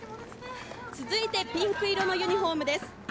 続いてピンク色のユニホームです。